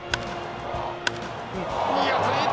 いい当たり！